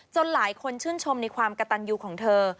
หลายคนชื่นชมในความกระตันยูของเธอ